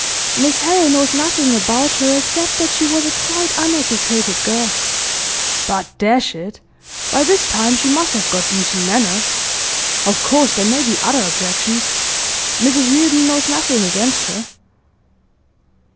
'Miss Harrow knows nothing about her, except that she was a quite uneducated girl.' 'But, dash it! by this time she must have got decent manners. Of course there may be other objections. Mrs Reardon knows nothing against her.